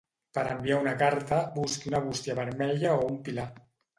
Per enviar una carta, busqui una bústia vermella o un pilar